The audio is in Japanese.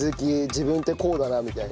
自分ってこうだなみたいな。